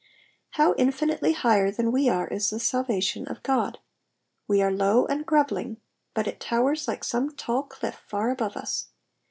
How infinitely higher than we are is the salvation of God. We are low and provellinar, but it towers like some tall cliff far above us.